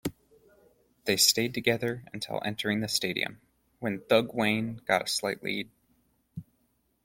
They stayed together until entering the stadium, when Thugwane got a slight lead.